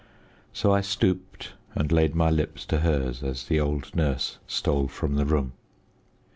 So I stooped and laid my lips to hers as the old nurse stole from the room.